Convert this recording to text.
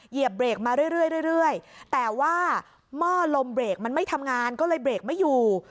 เหยียบเบรกมาเรื่อยแต่ว่าหม้อลมเบรกมันไม่ทำงานก็เลยเบรกไม่อยู่